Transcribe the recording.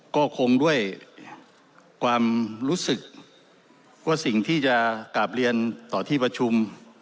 ก็คงด้วยความรู้สึกว่าสิ่งที่จะกลับเรียนต่อที่ประชุม